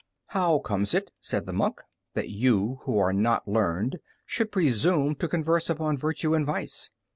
"How comes it," said the monk, "that you who are not learned should presume to converse upon virtue and vice?